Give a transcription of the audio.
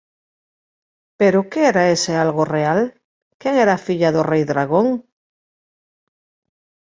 Pero que era ese algo real? Quen era a filla do rei Dragón?